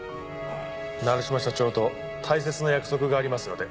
成島社長と大切な約束がありますので。